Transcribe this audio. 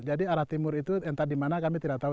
jadi arah timur itu entah di mana kami tidak tahu